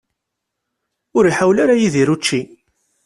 Ur iḥawel ara Yidir učči.